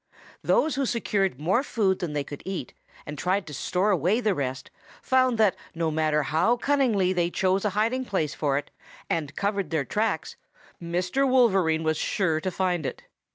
"Those who secured more food than they could eat and tried to store away the rest found that no matter how cunningly they chose a hiding place for it and covered their tracks, Mr. Wolverine was sure to find it.